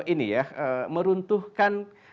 ini ya meruntuhkan